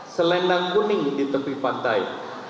selendang kuning di tepi pantai